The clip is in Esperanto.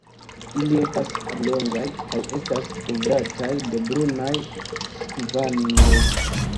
Ili estas oblongaj kaj estas kovrataj de brunaj skvamoj.